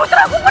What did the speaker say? untuk ibu dami